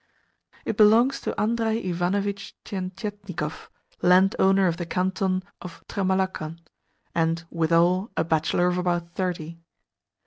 It belongs to Andrei Ivanovitch Tientietnikov, landowner of the canton of Tremalakhan, and, withal, a bachelor of about thirty.